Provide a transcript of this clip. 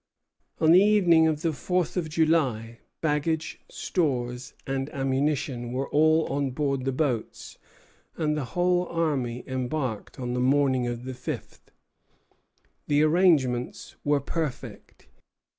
1876). On the evening of the fourth of July, baggage, stores, and ammunition were all on board the boats, and the whole army embarked on the morning of the fifth. The arrangements were perfect.